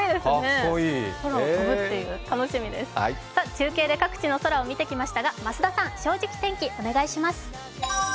中継で各地の空を見てきましたが、増田さん、「正直天気」をお願いします。